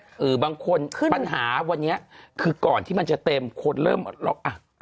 เออบางคนปัญหาวันนี้คือก่อนที่มันจะเต็มคนเริ่มล็อกอ่ะ